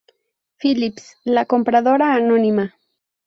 Phillips, la compradora anónima.